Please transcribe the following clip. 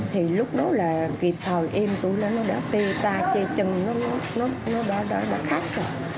thì lúc đó là kịp thời em tôi nó đã tê ta chê chân nó đã khát rồi